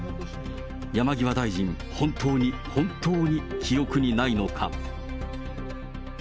山際大臣、本当に本当に記憶にないのか。